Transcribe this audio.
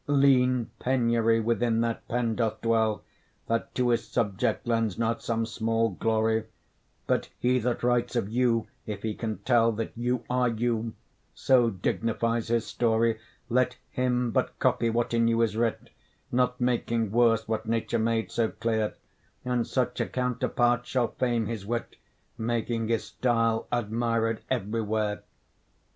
Lean penury within that pen doth dwell That to his subject lends not some small glory; But he that writes of you, if he can tell That you are you, so dignifies his story, Let him but copy what in you is writ, Not making worse what nature made so clear, And such a counterpart shall fame his wit, Making his style admired every where.